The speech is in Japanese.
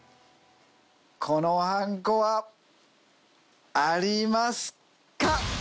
このはんこはありますか？